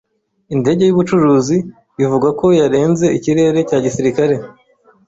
Indege yubucuruzi bivugwa ko yarenze ikirere cya gisirikare.